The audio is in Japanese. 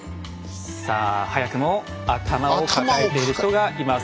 さあ早くも頭を抱えている人がいます。